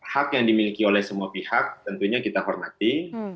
hak yang dimiliki oleh semua pihak tentunya kita hormati